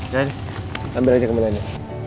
dari ambil aja kebelanya